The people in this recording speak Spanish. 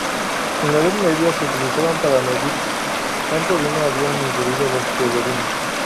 En la edad media, se utilizaban para medir cuanto vino habían ingerido los pueblerinos.